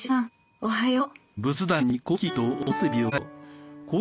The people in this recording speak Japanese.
おはよう。